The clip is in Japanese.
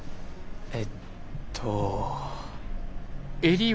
えっと。